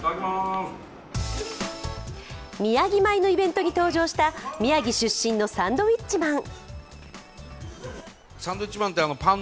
宮城米のイベントに登場した宮城出身のサンドウィッチマン。